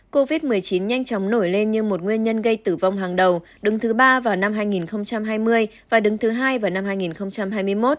covid một mươi chín nhanh chóng nổi lên như một nguyên nhân gây tử vong hàng đầu đứng thứ ba vào năm hai nghìn hai mươi và đứng thứ hai vào năm hai nghìn hai mươi một